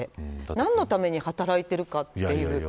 何のために働いているかっていう。